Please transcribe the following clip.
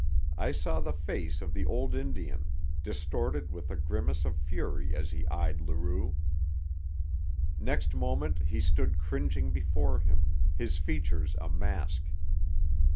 I saw the face of the old Indian, distorted with a grimace of fury as he eyed Leroux. Next moment he stood cringing before him, his features a mask.